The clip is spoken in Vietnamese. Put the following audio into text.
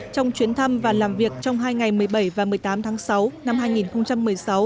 trong chuyến thăm và làm việc trong hai ngày một mươi bảy và một mươi tám tháng sáu năm hai nghìn một mươi sáu